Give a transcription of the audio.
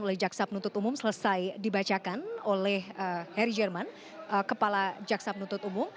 oleh jaksa penuntut umum selesai dibacakan oleh harry jerman kepala jaksa penuntut umum